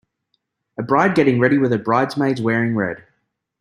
A bride getting ready with her bridesmaids wearing red.